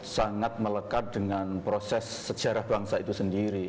sangat melekat dengan proses sejarah bangsa itu sendiri